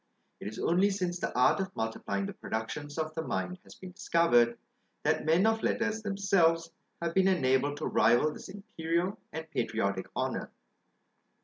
It is only since the art of multiplying the productions of the mind has been discovered, that men of letters themselves have been enabled to rival this imperial and patriotic honour.